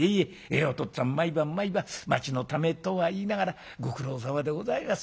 『お父っつぁん毎晩毎晩町のためとは言いながらご苦労さまでございます。